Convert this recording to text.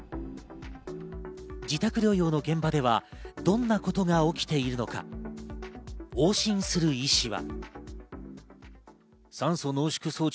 自宅療養の現場ではどんなことが起きているのか、往診する医師は。